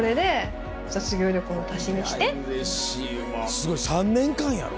すごい３年間やろ？